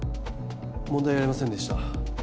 問題ありませんでした